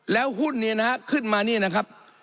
แล้วหุ้นเนี่ยนะฮะขึ้นมานี่นะครับ